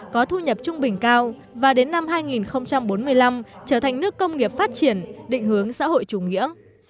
có thu nhập trung bình cao và đến năm hai nghìn bốn mươi năm trở thành nước công nghiệp phát triển định hướng xã hội chủ nghĩa